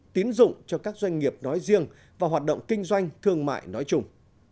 tín dụng cho các doanh nghiệp nói riêng và hoạt động kinh doanh thương mại nói chung